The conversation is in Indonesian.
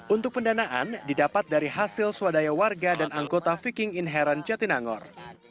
untuk pendanaan didapat dari hasil swadaya warga dan anggota viking inherent jatinangor